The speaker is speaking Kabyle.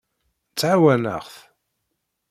Ttɛawaneɣ-t.